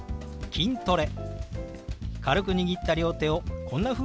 「筋トレ」。